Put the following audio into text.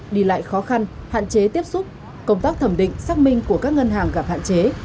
đi lại khó khăn hạn chế tiếp xúc công tác thẩm định xác minh của các ngân hàng gặp hạn chế